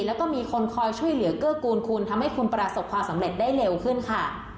แล้วก็มีคนคอยช่วยเหลือเกื้อกูลคุณทำให้คุณประสบความสำเร็จได้เร็วขึ้นค่ะ